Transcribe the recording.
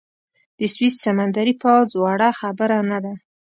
د سویس سمندري پوځ وړه خبره نه ده.